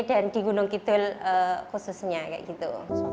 dan di gunung kidul khususnya kayak gitu